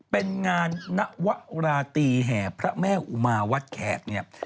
เป็นงานนวราตรีแห่พระแม่อุมาวัดแขกเนี่ย